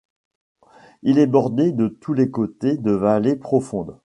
Il est bordé de tous les côtés de vallées profondes.